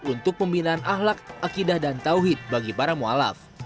untuk pembinaan ahlak akidah dan tawhid bagi para mu'alaf